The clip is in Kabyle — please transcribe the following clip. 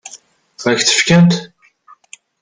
Ad k-tt-fkent?